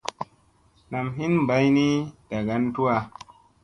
Nam hin mbaybni dagan tuwa.